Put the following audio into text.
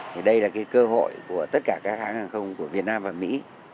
thì đây là cái cơ hội của tất cả các hãng hàng không của việt nam và mỹ